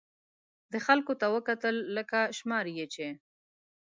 ده خلکو ته وکتل، لکه شماري یې چې.